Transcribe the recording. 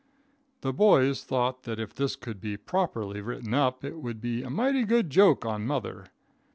The boys thought that if this could be properly written up, "it would be a mighty good joke on mother."